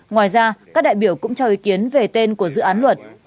ngoài ra các đại biểu cũng cho ý kiến về tên của dự án luật